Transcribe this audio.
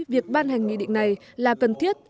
việc ban hành nghị định này là cần thiết